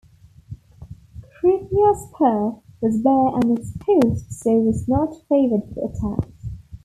Krithia Spur was bare and exposed so was not favoured for attacks.